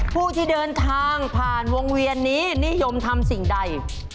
ผู้ที่เดินทางผ่านวงเวียนนี้นิยมทำสิ่งใด